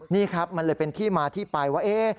นี่ครับมันเลยเป็นที่มาที่ไปว่า